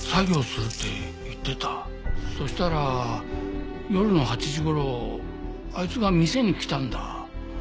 そしたら夜の８時頃あいつが店に来たんだ。